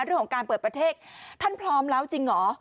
เรื่องของการเปิดประเทศท่านพร้อมแล้วจริงเหรอ